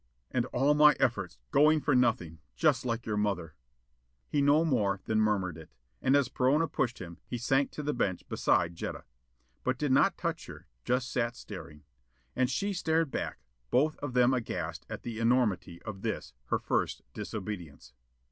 And all my efforts, going for nothing, just like your mother!" He no more than murmured it, and as Perona pushed him, he sank to the bench beside Jetta. But did not touch her, just sat staring. And she stared back, both of then aghast at the enormity of this, her first disobedience.